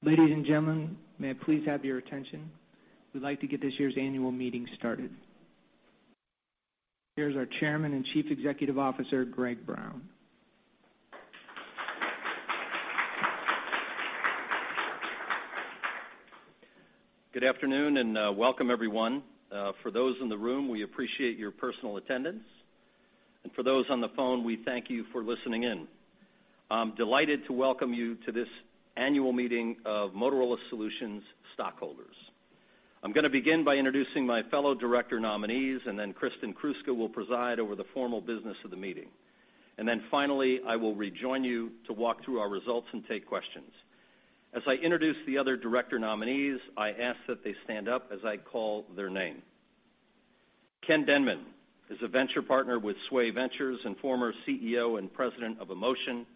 Ladies and gentlemen, may I please have your attention? We'd like to get this year's annual meeting started. Here's our Chairman and Chief Executive Officer, Greg Brown. Good afternoon, and welcome everyone. For those in the room, we appreciate your personal attendance. For those on the phone, we thank you for listening in. I'm delighted to welcome you to this annual meeting of Motorola Solutions Stockholders. I'm gonna begin by introducing my fellow director nominees, and then Kristin Kruska will preside over the formal business of the meeting. Then finally, I will rejoin you to walk through our results and take questions. As I introduce the other director nominees, I ask that they stand up as I call their name. Ken Denman is a venture partner with Sway Ventures and former CEO and president of Emotient.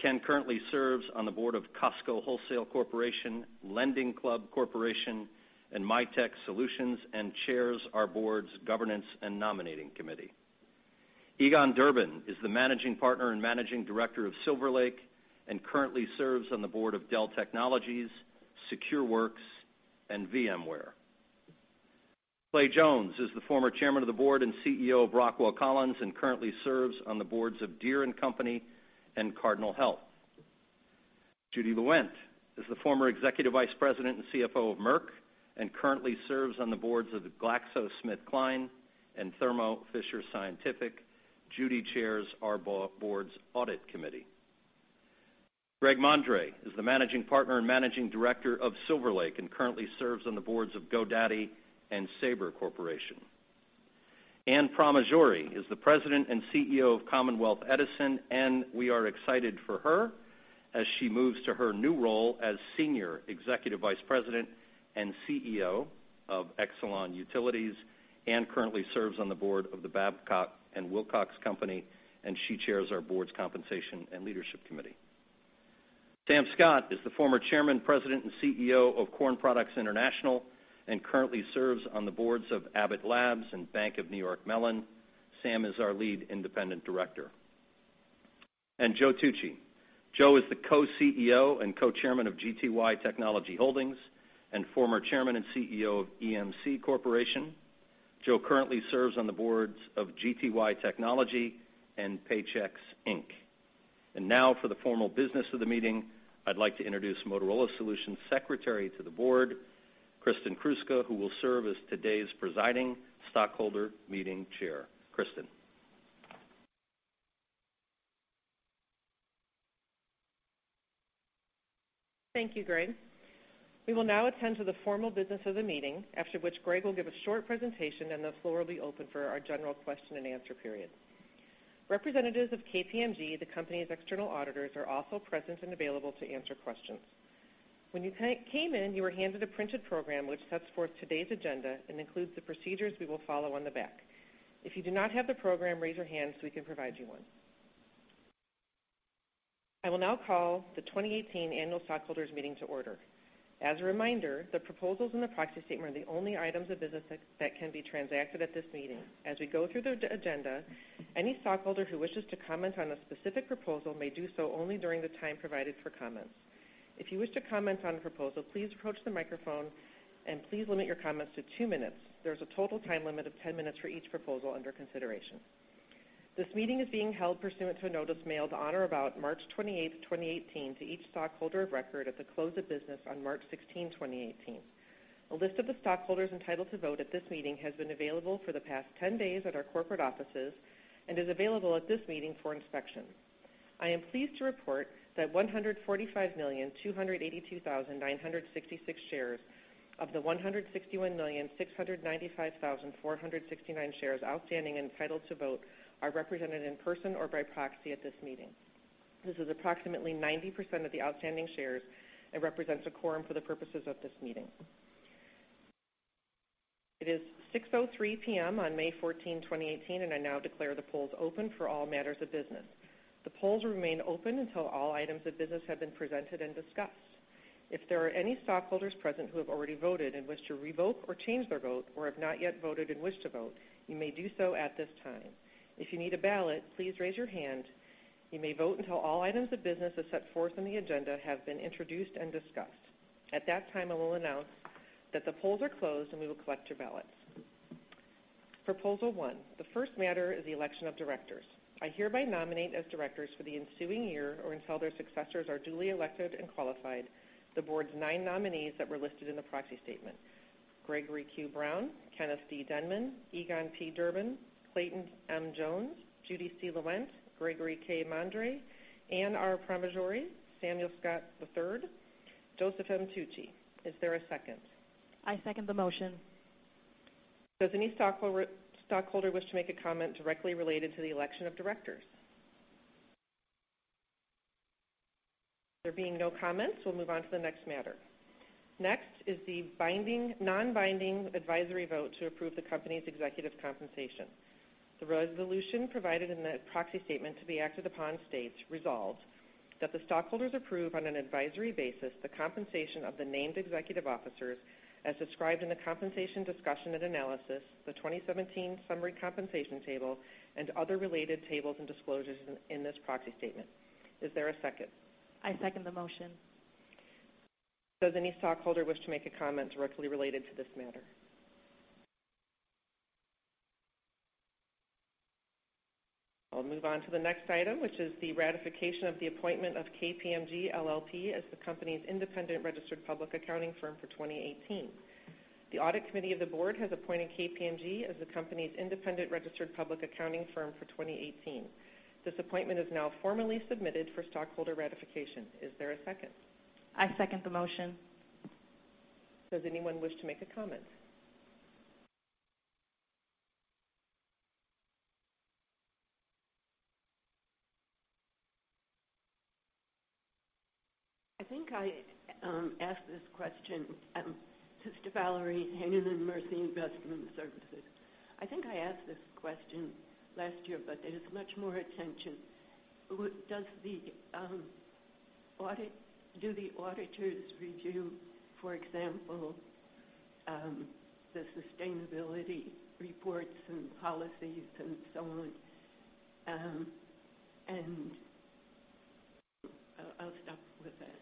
Ken currently serves on the board of Costco Wholesale Corporation, LendingClub Corporation, and Mitek Systems, and chairs our board's Governance and Nominating Committee. Egon Durban is the managing partner and managing director of Silver Lake, and currently serves on the board of Dell Technologies, Secureworks, and VMware. Clay Jones is the former chairman of the board and CEO of Rockwell Collins, and currently serves on the boards of Deere & Company and Cardinal Health. Judy Lewent is the former Executive Vice President and CFO of Merck, and currently serves on the boards of GlaxoSmithKline and Thermo Fisher Scientific. Judy chairs our board's Audit Committee. Greg Mondre is the managing partner and managing director of Silver Lake, and currently serves on the boards of GoDaddy and Sabre Corporation. Anne Pramaggiore is the President and CEO of Commonwealth Edison, and we are excited for her as she moves to her new role as Senior Executive Vice President and CEO of Exelon Utilities, and currently serves on the board of the Babcock & Wilcox Company, and she chairs our board's Compensation and Leadership Committee. Sam Scott is the former chairman, president, and CEO of Corn Products International, and currently serves on the boards of Abbott Labs and Bank of New York Mellon. Sam is our Lead Independent Director. Joe Tucci. Joe is the co-CEO and co-chairman of GTY Technology Holdings and former chairman and CEO of EMC Corporation. Joe currently serves on the boards of GTY Technology and Paychex, Inc. Now for the formal business of the meeting, I'd like to introduce Motorola Solutions' Secretary to the Board, Kristin Kruska, who will serve as today's presiding stockholder meeting chair. Kristin? Thank you, Greg. We will now attend to the formal business of the meeting, after which Greg will give a short presentation, and the floor will be open for our general question and answer period. Representatives of KPMG, the company's external auditors, are also present and available to answer questions. When you came in, you were handed a printed program, which sets forth today's agenda and includes the procedures we will follow on the back. If you do not have the program, raise your hand so we can provide you one. I will now call the 2018 Annual Stockholders Meeting to order. As a reminder, the proposals in the proxy statement are the only items of business that can be transacted at this meeting. As we go through the agenda, any stockholder who wishes to comment on a specific proposal may do so only during the time provided for comments. If you wish to comment on a proposal, please approach the microphone, and please limit your comments to two minutes. There's a total time limit of 10 minutes for each proposal under consideration. This meeting is being held pursuant to a notice mailed on or about March 28th, 2018, to each stockholder of record at the close of business on March 16th, 2018. A list of the stockholders entitled to vote at this meeting has been available for the past 10 days at our corporate offices and is available at this meeting for inspection. I am pleased to report that 145,282,966 shares of the 161,695,469 shares outstanding and entitled to vote are represented in person or by proxy at this meeting. This is approximately 90% of the outstanding shares and represents a quorum for the purposes of this meeting. It is 6:03 P.M. on May 14th, 2018, and I now declare the polls open for all matters of business. The polls will remain open until all items of business have been presented and discussed. If there are any stockholders present who have already voted and wish to revoke or change their vote, or have not yet voted and wish to vote, you may do so at this time. If you need a ballot, please raise your hand. You may vote until all items of business as set forth on the agenda have been introduced and discussed. At that time, I will announce that the polls are closed, and we will collect your ballots. Proposal one: The first matter is the election of directors. I hereby nominate as directors for the ensuing year, or until their successors are duly elected and qualified, the board's nine nominees that were listed in the proxy statement. Gregory Q. Brown, Kenneth D. Denman, Egon P. Durban, Clayton M. Jones, Judy C. Lewent, Gregory K. Mondre, Anne R. Pramaggiore, Samuel Scott III, Joseph M. Tucci. Is there a second? I second the motion. Does any stockholder wish to make a comment directly related to the election of directors? There being no comments, we'll move on to the next matter. Next is the binding, non-binding advisory vote to approve the company's executive compensation. The resolution provided in the proxy statement to be acted upon states resolved that the stockholders approve on an advisory basis the compensation of the named executive officers as described in the compensation discussion and analysis, the 2017 summary compensation table, and other related tables and disclosures in this proxy statement. Is there a second? I second the motion. Does any stockholder wish to make a comment directly related to this matter? I'll move on to the next item, which is the ratification of the appointment of KPMG LLP as the company's independent registered public accounting firm for 2018. The Audit Committee of the board has appointed KPMG as the company's independent registered public accounting firm for 2018. This appointment is now formally submitted for stockholder ratification. Is there a second? I second the motion. Does anyone wish to make a comment? I think I asked this question. Sister Valerie Heinonen and Mercy Investment Services. I think I asked this question last year, but there's much more attention. What does the audit, do the auditors review, for example, the sustainability reports and policies and so on? And I'll stop with that.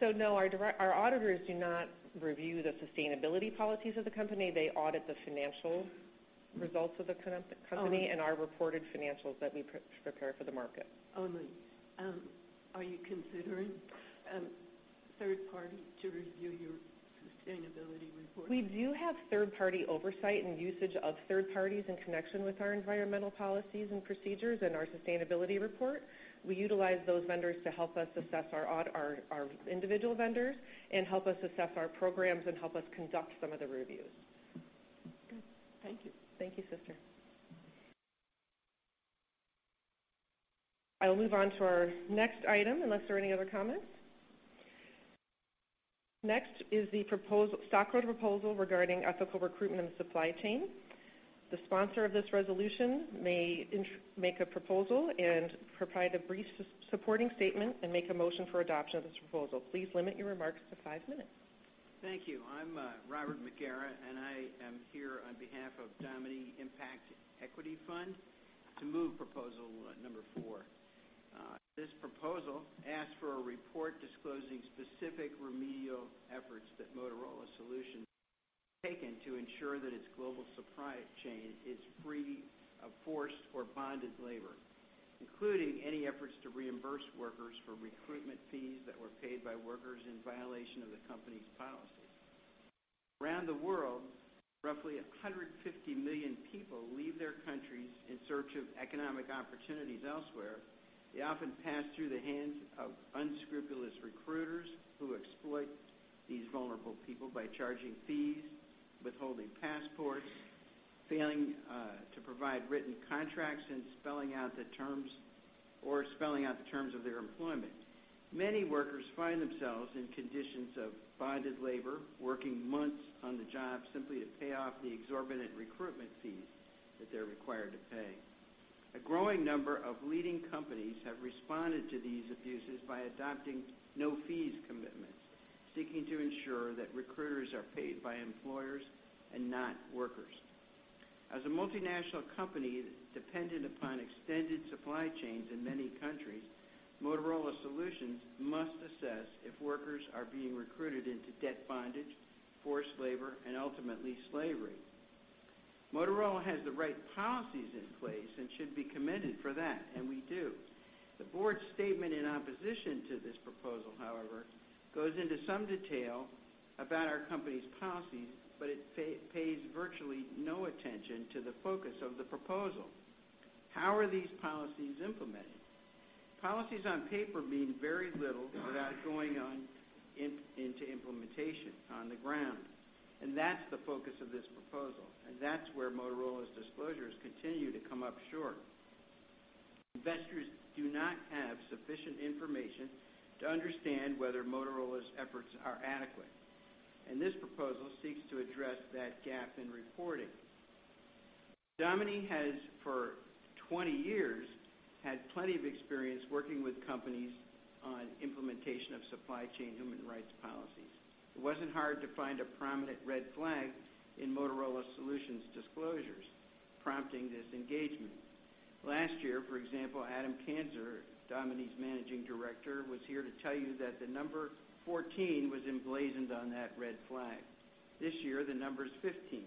So, no, our auditors do not review the sustainability policies of the company. They audit the financial results of the company. Amen. and our reported financials that we prepare for the market. Amen. Are you considering third party to review your sustainability report? We do have third-party oversight and usage of third parties in connection with our environmental policies and procedures and our sustainability report. We utilize those vendors to help us assess our individual vendors and help us assess our programs and help us conduct some of the reviews. Good. Thank you. Thank you, Sister. I will move on to our next item, unless there are any other comments. Next is the proposal, stockholder proposal regarding ethical recruitment and supply chain. The sponsor of this resolution may make a proposal and provide a brief supporting statement and make a motion for adoption of this proposal. Please limit your remarks to five minutes. Thank you. I'm Robert McGarrah, and I am here on behalf of Domini Impact Equity Fund to move proposal number four. This proposal asks for a report disclosing specific remedial efforts that Motorola Solutions has taken to ensure that its global supply chain is free of forced or bonded labor, including any efforts to reimburse workers for recruitment fees that were paid by workers in violation of the company's policy. Around the world, roughly 150 million people leave their countries in search of economic opportunities elsewhere. They often pass through the hands of unscrupulous recruiters who exploit these vulnerable people by charging fees, withholding passports, failing to provide written contracts, and spelling out the terms or spelling out the terms of their employment. Many workers find themselves in conditions of bonded labor, working months on the job simply to pay off the exorbitant recruitment fees that they're required to pay. A growing number of leading companies have responded to these abuses by adopting no fees commitments, seeking to ensure that recruiters are paid by employers and not workers. As a multinational company dependent upon extended supply chains in many countries, Motorola Solutions must assess if workers are being recruited into debt bondage, forced labor, and ultimately slavery. Motorola has the right policies in place and should be commended for that, and we do. The board's statement in opposition to this proposal, however, goes into some detail about our company's policies, but it pays virtually no attention to the focus of the proposal. How are these policies implemented? Policies on paper mean very little without going on into implementation on the ground, and that's the focus of this proposal, and that's where Motorola's disclosures continue to come up short. Investors do not have sufficient information to understand whether Motorola's efforts are adequate, and this proposal seeks to address that gap in reporting. Domini has, for 20 years, had plenty of experience working with companies on implementation of supply chain human rights policies. It wasn't hard to find a prominent red flag in Motorola Solutions disclosures prompting this engagement. Last year, for example, Adam Kanzer, Domini's Managing Director, was here to tell you that the number 14 was emblazoned on that red flag. This year, the number is 15.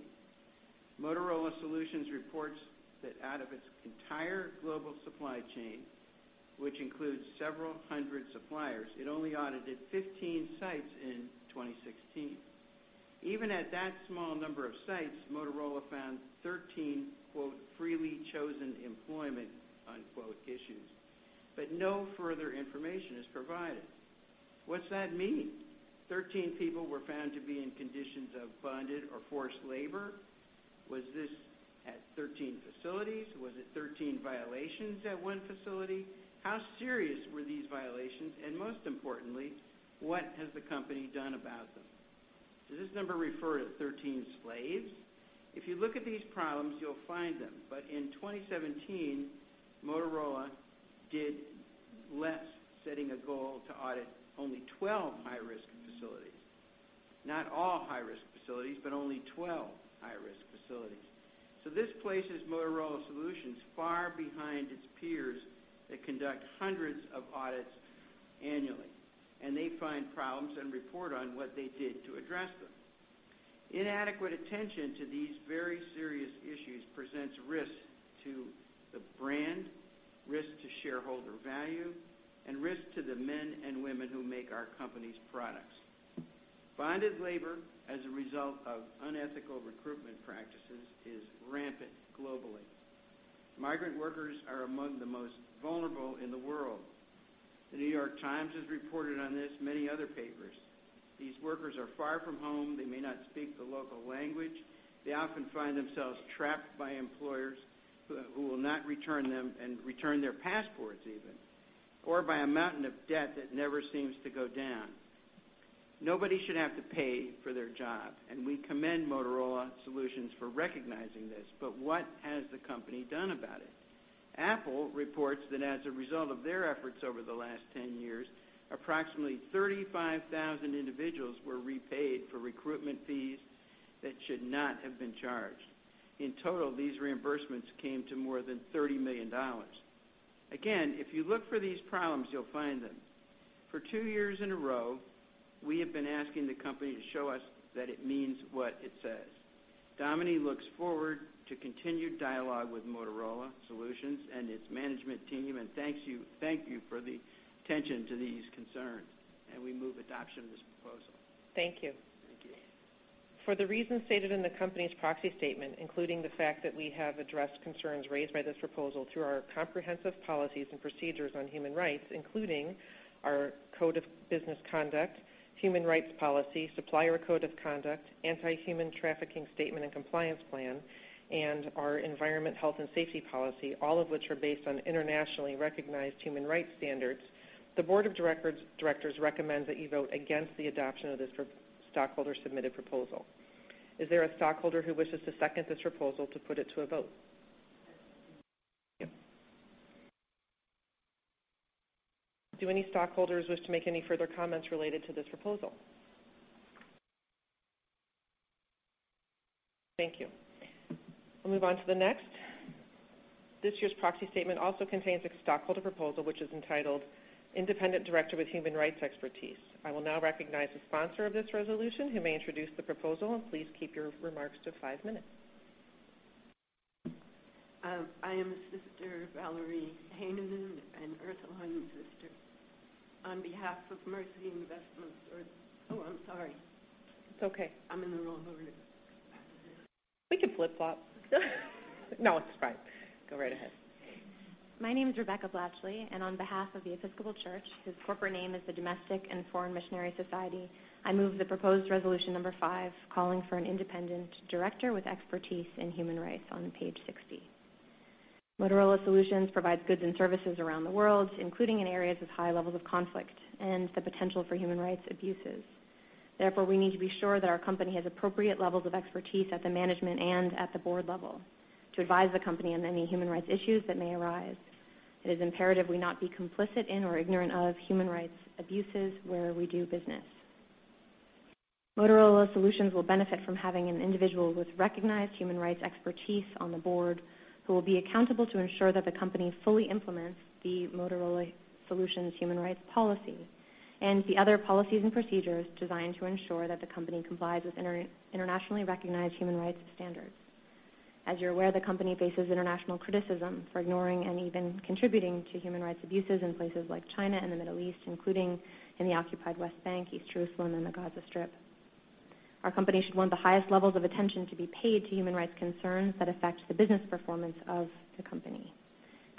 Motorola Solutions reports that out of its entire global supply chain, which includes several hundred suppliers, it only audited 15 sites in 2016. Even at that small number of sites, Motorola found 13, quote, "freely chosen employment," unquote, issues, but no further information is provided. What's that mean? Thirteen people were found to be in conditions of bonded or forced labor? Was this at 13 facilities? Was it 13 violations at one facility? How serious were these violations, and most importantly, what has the company done about them? Does this number refer to 13 slaves? If you look at these problems, you'll find them. But in 2017, Motorola did less, setting a goal to audit only 12 high-risk facilities... not all high-risk facilities, but only 12 high-risk facilities. So this places Motorola Solutions far behind its peers that conduct hundreds of audits annually, and they find problems and report on what they did to address them. Inadequate attention to these very serious issues presents risks to the brand, risk to shareholder value, and risk to the men and women who make our company's products. Bonded labor, as a result of unethical recruitment practices, is rampant globally. Migrant workers are among the most vulnerable in the world. The New York Times has reported on this, many other papers. These workers are far from home. They may not speak the local language. They often find themselves trapped by employers who will not return them and return their passports even, or by a mountain of debt that never seems to go down. Nobody should have to pay for their job, and we commend Motorola Solutions for recognizing this. But what has the company done about it? Apple reports that as a result of their efforts over the last 10 years, approximately 35,000 individuals were repaid for recruitment fees that should not have been charged. In total, these reimbursements came to more than $30 million. Again, if you look for these problems, you'll find them. For 2 years in a row, we have been asking the company to show us that it means what it says. Domini looks forward to continued dialogue with Motorola Solutions and its management team, and thanks you, thank you for the attention to these concerns, and we move adoption of this proposal. Thank you. Thank you. For the reasons stated in the company's proxy statement, including the fact that we have addressed concerns raised by this proposal through our comprehensive policies and procedures on human rights, including our Code of Business Conduct, Human Rights Policy, Supplier Code of Conduct, Anti-Human Trafficking Statement and Compliance Plan, and our Environment, Health and Safety Policy, all of which are based on internationally recognized human rights standards. The board of directors recommends that you vote against the adoption of this stockholder-submitted proposal. Is there a stockholder who wishes to second this proposal to put it to a vote? Thank you. Do any stockholders wish to make any further comments related to this proposal? Thank you. We'll move on to the next. This year's proxy statement also contains a stockholder proposal, which is entitled Independent Director with Human Rights Expertise. I will now recognize the sponsor of this resolution, who may introduce the proposal, and please keep your remarks to five minutes. I am Sister Valerie Heinonen, an Ursuline Sister. On behalf of Mercy Investment... Oh, I'm sorry. It's okay. I'm in the wrong order. We can flip-flop. No, it's fine. Go right ahead. My name is Rebecca Blachly, and on behalf of the Episcopal Church, whose corporate name is the Domestic and Foreign Missionary Society, I move the proposed resolution number five, calling for an independent director with expertise in human rights on page sixty. Motorola Solutions provides goods and services around the world, including in areas with high levels of conflict and the potential for human rights abuses. Therefore, we need to be sure that our company has appropriate levels of expertise at the management and at the board level to advise the company on any human rights issues that may arise. It is imperative we not be complicit in or ignorant of human rights abuses where we do business. Motorola Solutions will benefit from having an individual with recognized human rights expertise on the board, who will be accountable to ensure that the company fully implements the Motorola Solutions human rights policy and the other policies and procedures designed to ensure that the company complies with internationally recognized human rights standards. As you're aware, the company faces international criticism for ignoring and even contributing to human rights abuses in places like China and the Middle East, including in the occupied West Bank, East Jerusalem, and the Gaza Strip. Our company should want the highest levels of attention to be paid to human rights concerns that affect the business performance of the company.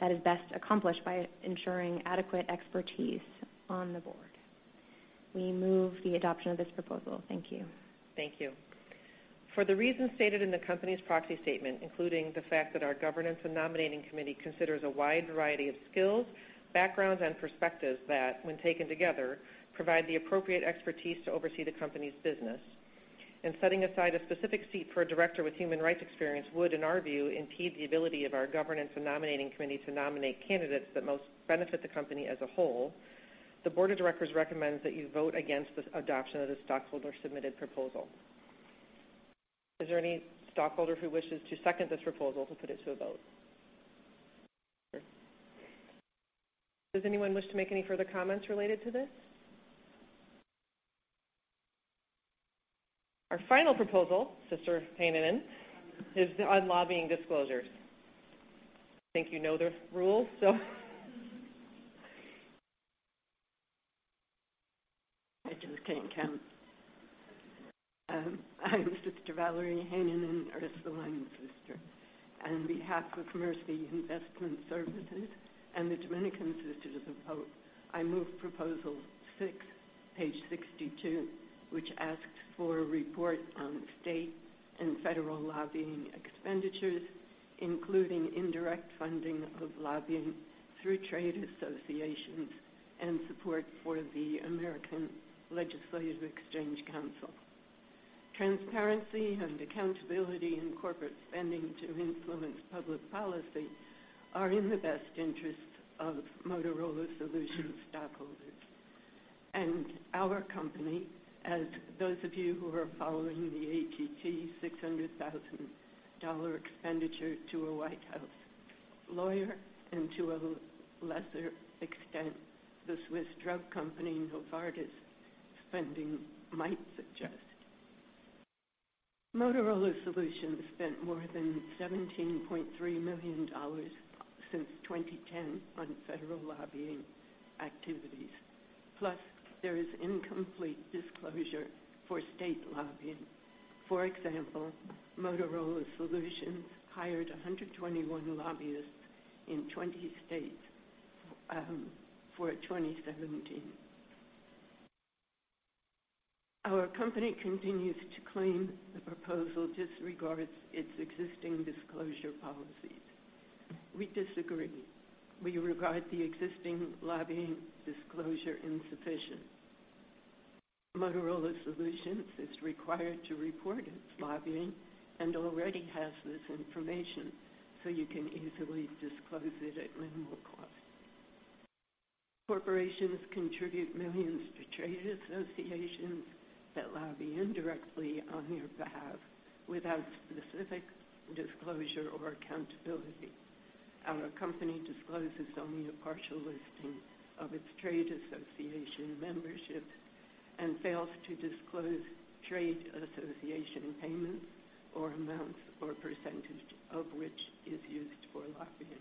That is best accomplished by ensuring adequate expertise on the board. We move the adoption of this proposal. Thank you. Thank you. For the reasons stated in the company's proxy statement, including the fact that our governance and nominating committee considers a wide variety of skills, backgrounds, and perspectives that, when taken together, provide the appropriate expertise to oversee the company's business. Setting aside a specific seat for a director with human rights experience would, in our view, impede the ability of our governance and nominating committee to nominate candidates that most benefit the company as a whole. The board of directors recommends that you vote against this adoption of the stockholder-submitted proposal. Is there any stockholder who wishes to second this proposal to put it to a vote? Does anyone wish to make any further comments related to this? Our final proposal, Sister Heinonen, is on lobbying disclosures. I think you know the rules, so I just can't count. I'm Sister Valerie Heinonen, Ursuline Sister. On behalf of Mercy Investment Services and the Dominican Sisters of Hope, I move proposal six, page 62, which asks for a report on state and federal lobbying expenditures, including indirect funding of lobbying through trade associations and support for the American Legislative Exchange Council. Transparency and accountability in corporate spending to influence public policy are in the best interest of Motorola Solutions stockholders and our company, as those of you who are following the AT&T $600,000 expenditure to a White House lawyer, and to a lesser extent, the Swiss drug company, Novartis, spending might suggest. Motorola Solutions spent more than $17.3 million since 2010 on federal lobbying activities. Plus, there is incomplete disclosure for state lobbying. For example, Motorola Solutions hired 121 lobbyists in 20 states, for 2017. Our company continues to claim the proposal disregards its existing disclosure policies. We disagree. We regard the existing lobbying disclosure insufficient. Motorola Solutions is required to report its lobbying and already has this information, so you can easily disclose it at minimal cost. Corporations contribute millions to trade associations that lobby indirectly on your behalf without specific disclosure or accountability. Our company discloses only a partial listing of its trade association memberships and fails to disclose trade association payments or amounts, or percentage of which is used for lobbying.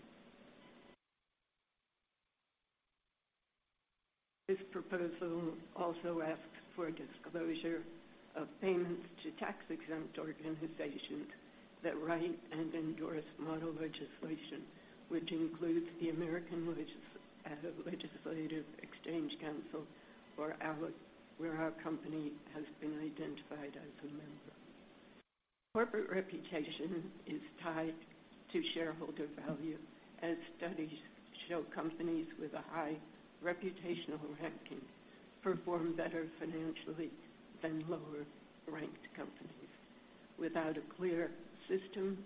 This proposal also asks for disclosure of payments to tax-exempt organizations that write and endorse model legislation, which includes the American Legislative Exchange Council, or ALEC, where our company has been identified as a member. Corporate reputation is tied to shareholder value, as studies show companies with a high reputational ranking perform better financially than lower-ranked companies. Without a clear system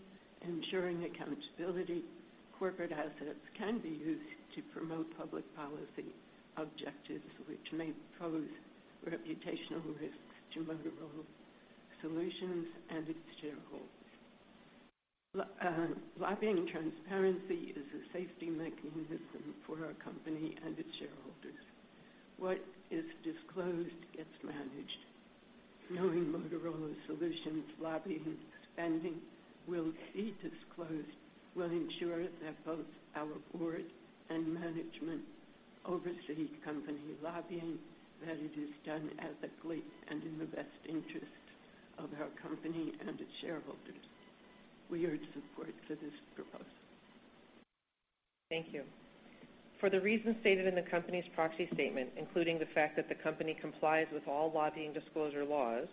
ensuring accountability, corporate assets can be used to promote public policy objectives, which may pose reputational risks to Motorola Solutions and its shareholders. Lobbying transparency is a safety mechanism for our company and its shareholders. What is disclosed gets managed. Knowing Motorola Solutions' lobbying spending will be disclosed will ensure that both our board and management oversee company lobbying, that it is done ethically and in the best interest of our company and its shareholders. We urge support for this proposal. Thank you. For the reasons stated in the company's proxy statement, including the fact that the company complies with all lobbying disclosure laws,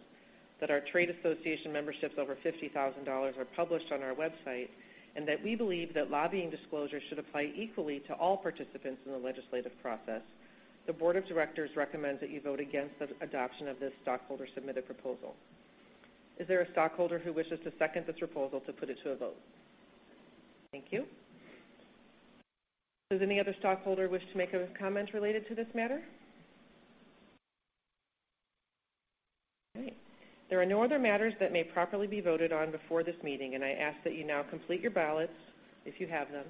that our trade association memberships over $50,000 are published on our website, and that we believe that lobbying disclosures should apply equally to all participants in the legislative process, the board of directors recommends that you vote against the adoption of this stockholder-submitted proposal. Is there a stockholder who wishes to second this proposal to put it to a vote? Thank you. Does any other stockholder wish to make a comment related to this matter? All right. There are no other matters that may properly be voted on before this meeting, and I ask that you now complete your ballots if you have them.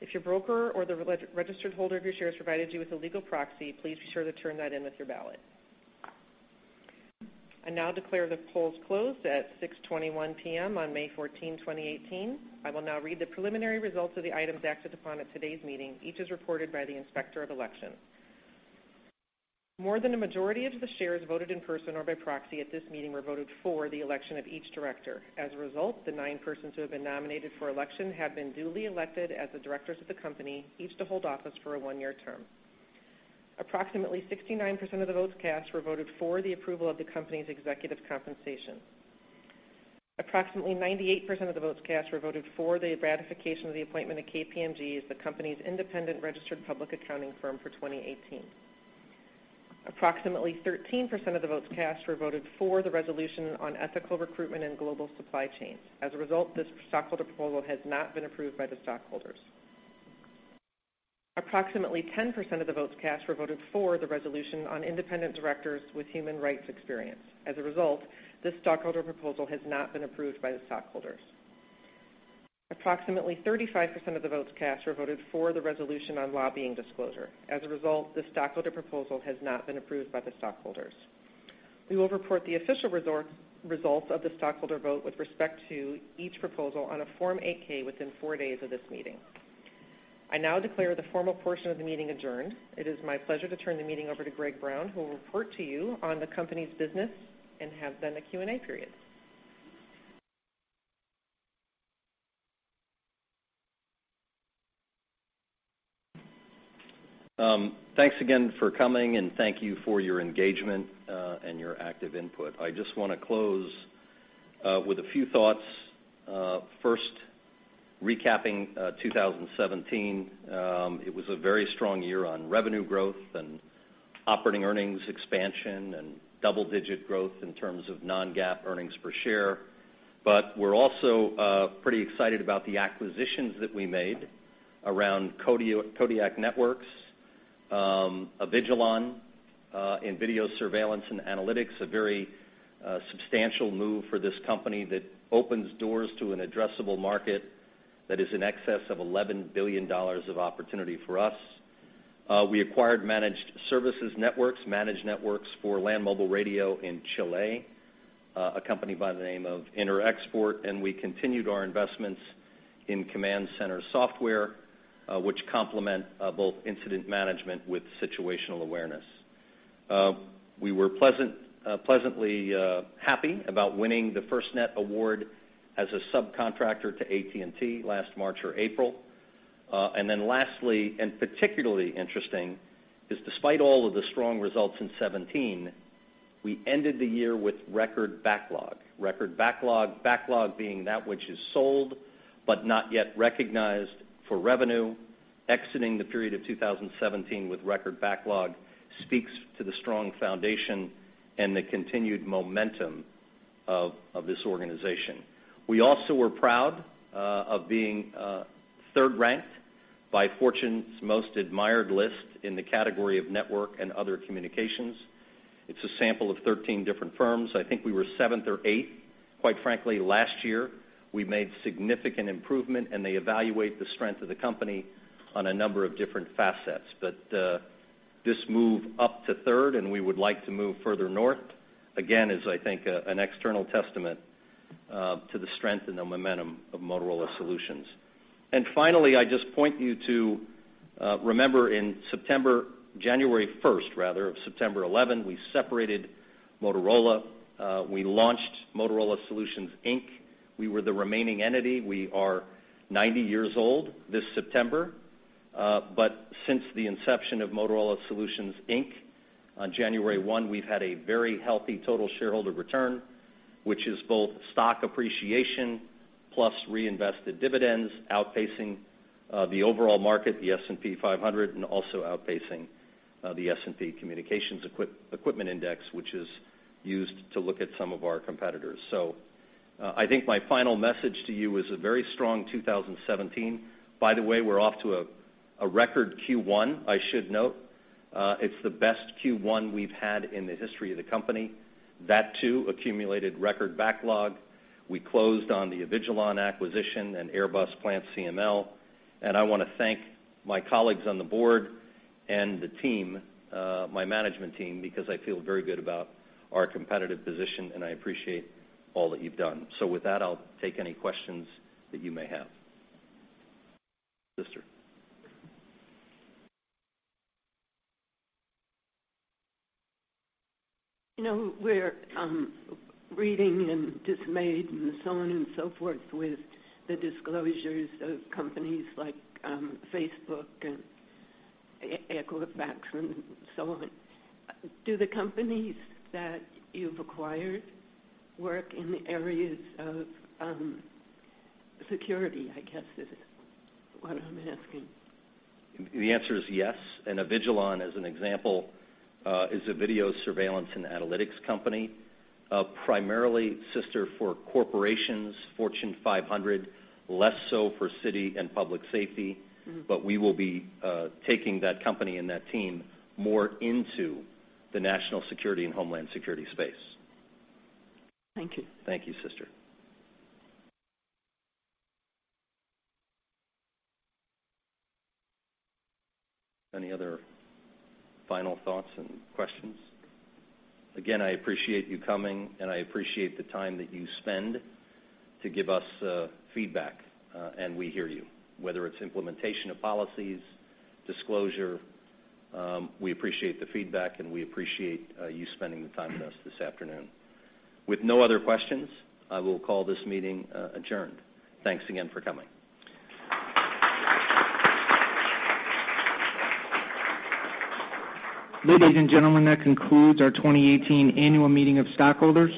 If your broker or the re-registered holder of your shares provided you with a legal proxy, please be sure to turn that in with your ballot. I now declare the polls closed at 6:21 P.M. on May 14, 2018. I will now read the preliminary results of the items acted upon at today's meeting, each as reported by the Inspector of Elections. More than a majority of the shares voted in person or by proxy at this meeting were voted for the election of each director. As a result, the nine persons who have been nominated for election have been duly elected as the directors of the company, each to hold office for a one-year term. Approximately 69% of the votes cast were voted for the approval of the company's executive compensation. Approximately 98% of the votes cast were voted for the ratification of the appointment of KPMG as the company's independent registered public accounting firm for 2018. Approximately 13% of the votes cast were voted for the resolution on ethical recruitment and global supply chains. As a result, this stockholder proposal has not been approved by the stockholders. Approximately 10% of the votes cast were voted for the resolution on independent directors with human rights experience. As a result, this stockholder proposal has not been approved by the stockholders. Approximately 35% of the votes cast were voted for the resolution on lobbying disclosure. As a result, this stockholder proposal has not been approved by the stockholders. We will report the official results of the stockholder vote with respect to each proposal on a Form 8-K within four days of this meeting. I now declare the formal portion of the meeting adjourned. It is my pleasure to turn the meeting over to Greg Brown, who will report to you on the company's business and have then a Q&A period. Thanks again for coming, and thank you for your engagement and your active input. I just want to close with a few thoughts. First, recapping 2017, it was a very strong year on revenue growth and operating earnings expansion, and double-digit growth in terms of non-GAAP earnings per share. But we're also pretty excited about the acquisitions that we made around Kodiak Networks, Avigilon in video surveillance and analytics, a very substantial move for this company that opens doors to an addressable market that is in excess of $11 billion of opportunity for us. We acquired managed services networks, managed networks for land mobile radio in Chile, a company by the name of Interexport, and we continued our investments in command center software, which complement both incident management with situational awareness. We were pleasantly happy about winning the FirstNet Award as a subcontractor to AT&T last March or April. And then lastly, and particularly interesting, is despite all of the strong results in '17, we ended the year with record backlog. Record backlog, backlog being that which is sold, but not yet recognized for revenue. Exiting the period of 2017 with record backlog speaks to the strong foundation and the continued momentum of this organization. We also were proud of being 3rd ranked by Fortune's Most Admired List in the category of network and other communications. It's a sample of 13 different firms. I think we were 7th or 8th, quite frankly, last year. We've made significant improvement, and they evaluate the strength of the company on a number of different facets. But this move up to third, and we would like to move further north, again, is, I think, an external testament to the strength and the momentum of Motorola Solutions. And finally, I just point you to remember in September 2011—January 1, rather—we separated Motorola. We launched Motorola Solutions Inc. We were the remaining entity. We are 90 years old this September, but since the inception of Motorola Solutions Inc. on January 1, we've had a very healthy total shareholder return, which is both stock appreciation plus reinvested dividends, outpacing the overall market, the S&P 500, and also outpacing the S&P Communications Equipment Index, which is used to look at some of our competitors. So I think my final message to you is a very strong 2017. By the way, we're off to a record Q1, I should note. It's the best Q1 we've had in the history of the company. That too accumulated record backlog. We closed on the Avigilon acquisition and Airbus PlantCML, and I want to thank my colleagues on the board and the team, my management team, because I feel very good about our competitive position, and I appreciate all that you've done. So with that, I'll take any questions that you may have. Sister? You know, we're reading and dismayed and so on and so forth, with the disclosures of companies like Facebook and Equifax and so on. Do the companies that you've acquired work in the areas of security, I guess is what I'm asking? The answer is yes, and Avigilon, as an example, is a video surveillance and analytics company, primarily, Sister, for corporations, Fortune 500, less so for city and public safety. Mm-hmm. But we will be taking that company and that team more into the national security and homeland security space. Thank you. Thank you, Sister. Any other final thoughts and questions? Again, I appreciate you coming, and I appreciate the time that you spend to give us, feedback. And we hear you. Whether it's implementation of policies, disclosure, we appreciate the feedback, and we appreciate, you spending the time with us this afternoon. With no other questions, I will call this meeting, adjourned. Thanks again for coming. Ladies and gentlemen, that concludes our 2018 Annual Meeting of Stockholders.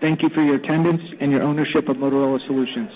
Thank you for your attendance and your ownership of Motorola Solutions.